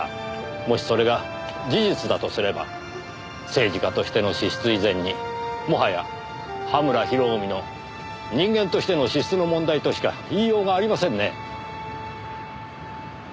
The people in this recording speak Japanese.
もしそれが事実だとすれば政治家としての資質以前にもはや葉村比呂臣の人間としての資質の問題としか言いようがありませんね。